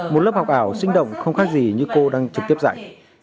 một lớp học ảo sinh động không khác gì như cô đang trực tiếp dạy